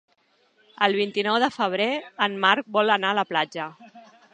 El vint-i-nou de febrer en Marc vol anar a la platja.